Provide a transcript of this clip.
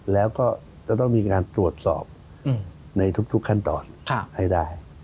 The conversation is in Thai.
แล้วก็จะต้องมีการตรวจสอบในทุกขั้นตอนให้ได้